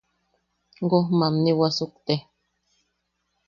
Goj mamnin wasukte.